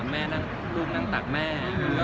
แม่นั่งลูกนั่งตักแม่